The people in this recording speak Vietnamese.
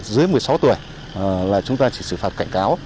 dưới một mươi sáu tuổi là chúng ta chỉ xử phạt cảnh cáo